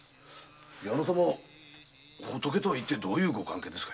矢野様は仏とはどういうご関係ですか？